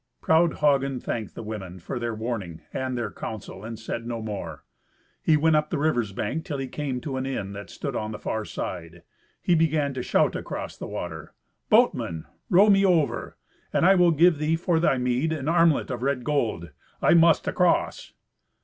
Proud Hagen thanked the women for their warning and their counsel, and said no more. He went up the river's bank, till he came to an inn that stood on the far side. He began to shout across the water, "Boatman, row me over, and I will give thee, for thy meed, an armlet of red gold. I must across."